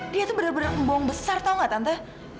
dia tuh benar benar membohong besar tahu nggak tante